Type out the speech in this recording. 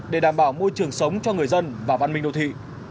để đảm bảo môi trường sống cho người dân và văn minh đô thị